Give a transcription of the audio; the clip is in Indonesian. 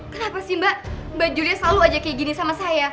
kenapa sih mbak bajunya selalu aja kayak gini sama saya